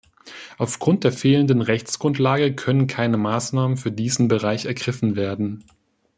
Auf Grund der fehlenden Rechtsgrundlage können keine Maßnahmen für diesen Bereich ergriffen werden.